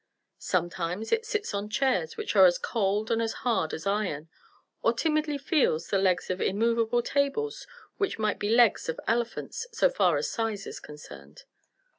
Sometimes it sits on chairs which are as cold and as hard as iron, or timidly feels the legs of immovable tables which might be legs of elephants so far as size is concerned.